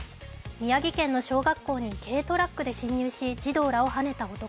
宮城県の小学校に軽トラックで侵入し児童らをはねた男。